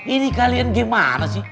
ini kalian gimana sih